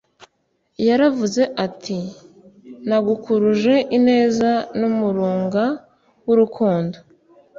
Yaravuze ati : "Nagukuruje ineza n'umurunga w'urukundo.""